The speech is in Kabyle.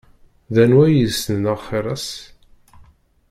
D anwa i yessnen axiṛ-as?